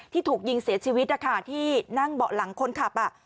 ถูกยิงเสียชีวิตนะคะที่นั่งเบาะหลังคนขับ